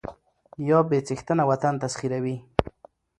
يا بې څښنته وطن تسخيروي